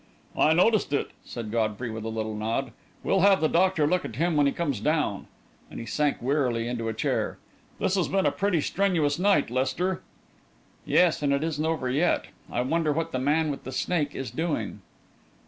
"I noticed it," said Godfrey, with a little nod. "We'll have the doctor look at him when he comes down," and he sank wearily into a chair. "This has been a pretty strenuous night, Lester." "Yes; and it isn't over yet. I wonder what the man with the snake is doing?"